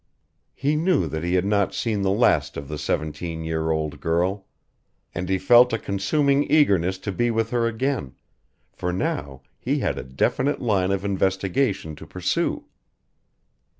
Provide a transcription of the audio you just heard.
He knew that he had not seen the last of the seventeen year old girl. And he felt a consuming eagerness to be with her again, for now he had a definite line of investigation to pursue.